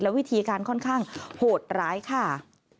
วิธีการค่อนข้างโหดร้ายค่ะ